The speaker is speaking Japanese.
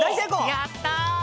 やった！